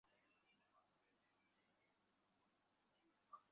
ওহ, অবশ্যই।